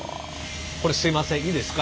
すいませんいいですか？